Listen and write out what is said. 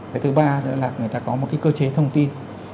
cái thứ ba nữa là người ta có một cái cơ chế thông tin